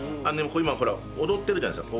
今ほら踊ってるじゃないですか。